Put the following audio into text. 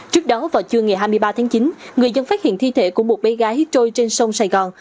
trước đó vào trưa ngày hai mươi ba tháng chín người dân phát hiện thi thể của một bé gái trôi trên sông sài gòn